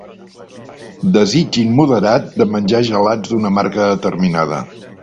Desig immoderat de menjar gelats d'una marca determinada.